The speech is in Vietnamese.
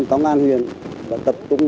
công an huyện và tập trung